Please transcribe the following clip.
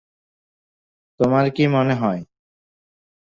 তোমার কী মনে হয়।